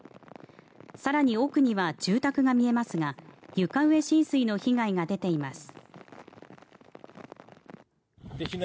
更に奥には住宅が見えますが床上浸水の被害が出ています。